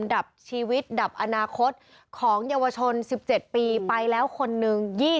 ดับชีวิตดับอนาคตของเยาวชน๑๗ปีไปแล้วคนหนึ่ง